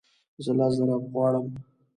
زه لس زره غواړم